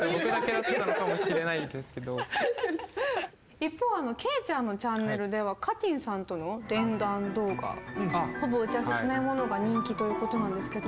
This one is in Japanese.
一方けいちゃんのチャンネルではかてぃんさんとの連弾動画ほぼ打ち合わせしないものが人気ということなんですけど。